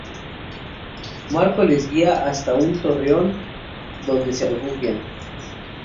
Marco les guia hasta un torreón donde se refugian.